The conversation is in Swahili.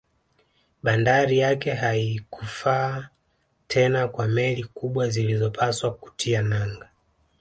Bandari yake haikufaa tena kwa meli kubwa zilizopaswa kutia nanga